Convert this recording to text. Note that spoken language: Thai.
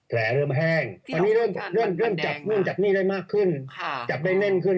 ไปฟังสิ่งสัมภาษณ์หน่อยค่ะ